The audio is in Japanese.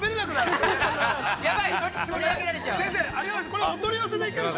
これお取り寄せできるの？